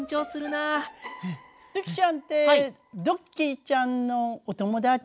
ドゥキちゃんってドッキーちゃんのお友達？